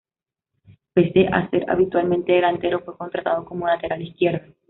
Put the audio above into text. Pese a ser habitualmente delantero, fue contratado como lateral izquierdo.